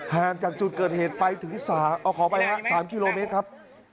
ห่างจากจุดเกิดเหตุไปถึงขออภัยครับ๓กิโลเมตรครับ